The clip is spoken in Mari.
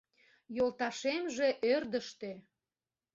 Йолташемже ӧрдыжтӧ